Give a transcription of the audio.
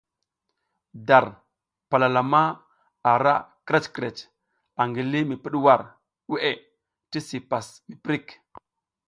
Dar palalama ara krǝc krǝc angi li mi pǝɗwar weʼe tisi pas miprik.